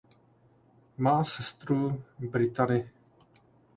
Má sestru Brittany.